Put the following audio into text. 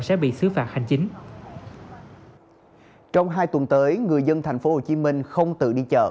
sẽ bị xứ phạt hành chính trong hai tuần tới người dân thành phố hồ chí minh không tự đi chợ